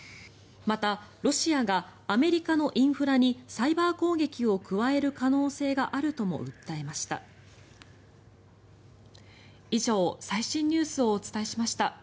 また、ロシアがアメリカのインフラにサイバー攻撃を加える可能性があるとも訴えました。